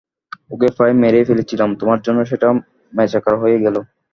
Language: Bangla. ওকে প্রায় মেরেই ফেলেছিলাম, তোমার জন্য সেটা ম্যাচাকার হয়ে গেলো।